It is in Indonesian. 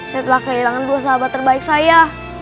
sebablah kehilangan dua sahabat terbaik saya